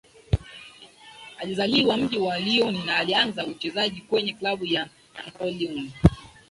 alizaliwa mji wa Lyon na alianza uchezaji kwenye klabu ya Terraillon